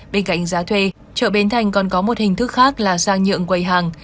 bên cạnh giá thuê chợ bến thành còn có một hình thức khác là sang nhượng quầy hàng